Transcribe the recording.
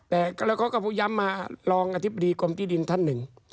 แต่แล้วเขาก็ย้ำมารองอธิบดีกรมที่ดินท่านหนึ่ง